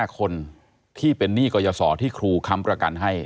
๕คนที่เป็นหนี้กรยาศรที่ครูค้ำประกันให้